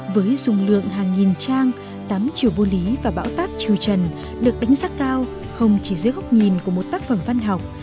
với dung lượng hàng nghìn trang tám triều vô lý và bão táp triều trần được đánh giá cao không chỉ dưới góc nhìn của một tác phẩm văn học